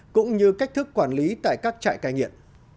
cũng như cách thức quản lý tại các trại cai nghiện